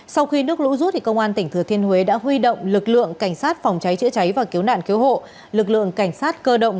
sau khi nước lũ rút công an tỉnh thừa thiên huế đã huy động lực lượng cảnh sát phòng cháy chữa cháy và cứu nạn cứu hộ lực lượng cảnh sát cơ động